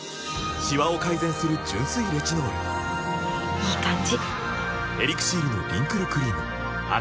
いい感じ！